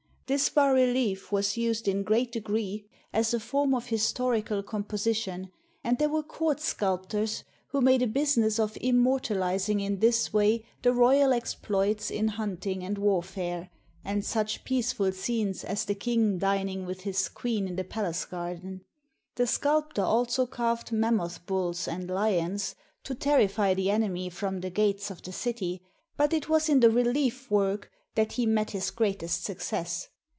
This bas relief was used in great degree as a form of historical composition, and there were court sculptors who made a business of immortalizing in this way the royal exploits in hunting and warfare, and such peaceful scenes as the king dining with his queen in the palace gar den. The sculptor also carved mammoth bulls and lions to terrify the enemy from the gates of the city, but it was in the relief work that he met his greatest success.